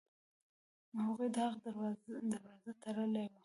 هغوی د حق دروازه تړلې وه.